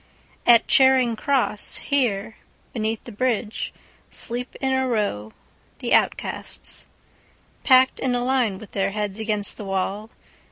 At Charing Cross, here, beneath the bridgeSleep in a row the outcasts, Packed in a line with their heads against the wall.